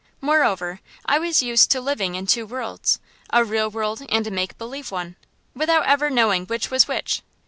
Moreover, I was used to living in two worlds, a real world and a make believe one, without ever knowing which was which.